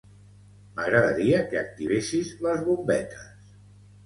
M'agradaria que activessis les bombetes.